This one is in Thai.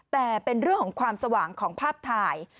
แต่เป็นเรื่องของความสว่างของภาพถ่าย